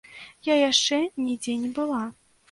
Я яшчэ нідзе не была.